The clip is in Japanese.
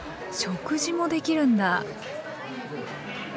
食事もできるんだ。